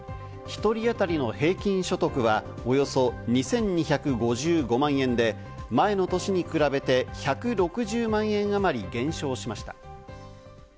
１人当たりの平均所得はおよそ２２５５万円で前の年に比べて１６０万円あまり減少しました。